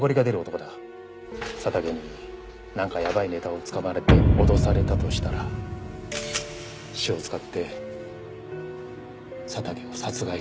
佐竹になんかやばいネタをつかまれて脅されたとしたら秘書を使って佐竹を殺害した可能性もある。